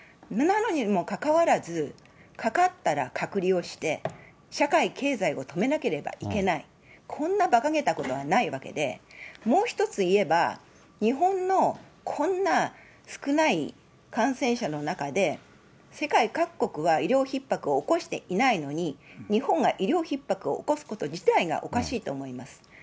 なのにもかかわらず、かかったら隔離をして、社会経済を止めなければいけない、こんなばかげたことはないわけで、もう一つ言えば、日本のこんな少ない感染者の中で世界各国は、医療ひっ迫を起こしていないのに、日本が医療ひっ迫を起こすこと自体がおかしいと思います。